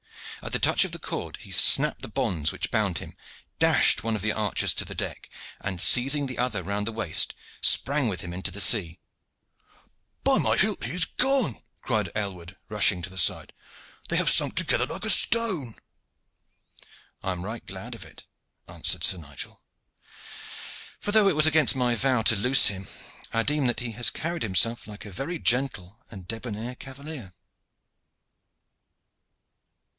At the touch of the cord he snapped the bonds which bound him, dashed one of the archers to the deck, and seizing the other round the waist sprang with him into the sea. "By my hilt, he is gone!" cried Aylward, rushing to the side. "They have sunk together like a stone." "I am right glad of it," answered Sir Nigel; "for though it was against my vow to loose him, I deem that he has carried himself like a very gentle and debonnaire cavalier."